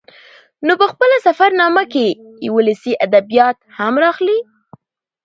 نو په خپله سفر نامه کې يې ولسي ادبيات هم راخلي